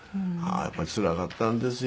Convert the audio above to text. やっぱりつらかったんですよ。